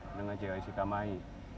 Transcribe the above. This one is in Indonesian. bendungan ciawi sukamahi